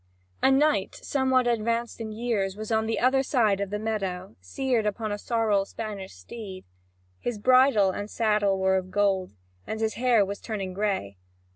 (Vv. 1661 1840.) A knight somewhat advanced in years was on the other side of the meadow, seared upon a sorrel Spanish steed. His bridle and saddle were of gold, and his hair was turning grey.